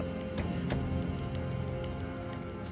kota ambon maluku